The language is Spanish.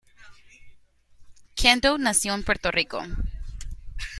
Kendo nació en Puerto Rico.